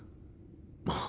あっ。